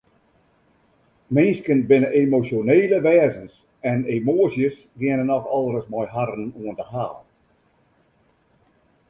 Minsken binne emosjonele wêzens en emoasjes geane nochal ris mei harren oan 'e haal.